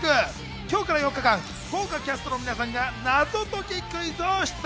今日から４日間、豪華キャストの皆さんが謎解きクイズを出題。